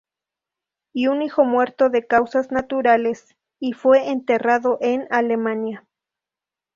Y un hijo muerto de causas naturales y fue enterrado en Alemania.